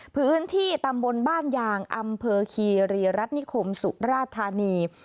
พื้นที่ตำบลบ้านยางอำเภอคีรีรัฐนิคมสุราธานี